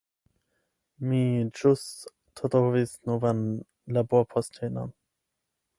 Mi ĵus trovis novan laborpostenon.